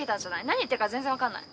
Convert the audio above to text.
何言ってるか全然分かんない。